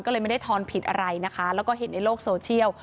ก็เลยไม่ได้ทอนผิดอะไรนะคะแล้วก็เห็นในโลกโซเชียล